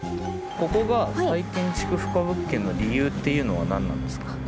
ここが再建築不可物件の理由っていうのは何なんですか？